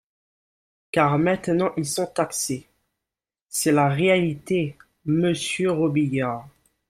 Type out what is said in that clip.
car maintenant ils sont taxés :, C’est la réalité, monsieur Robiliard